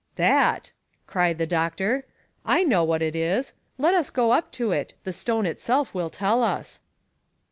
"That!" cried the doctor; "I know what it is; let us go up to it; the stone itself will tell us."